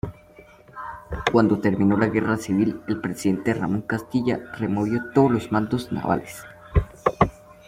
Cuando terminó la guerra civil, el Presidente Ramón Castilla removió todos los mandos navales.